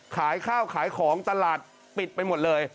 ขายข้าวขายของตลาดปิดไปหมดเลย